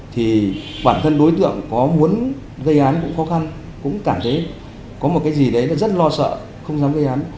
thì bản thân đối tượng có muốn gây án cũng khó khăn cũng cảm thấy có một cái gì đấy là rất lo sợ không dám gây án